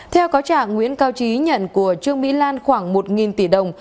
theo cáo trả nguyễn cao trí nhận của trương mỹ lan khoảng một tỷ đồng